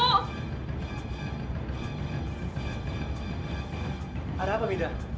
ada apa mida